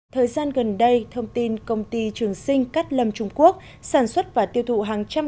thời gian gần đây thông tin công ty trường sinh cát lâm trung quốc sản xuất và tiêu thụ hàng trăm